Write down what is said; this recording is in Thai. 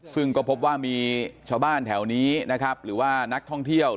ซึ่งก็พบว่ามีชาวบ้านแถวนี้นะครับหรือว่านักท่องเที่ยว